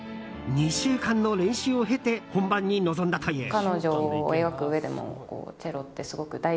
２週間の練習を経て本番に臨んだという。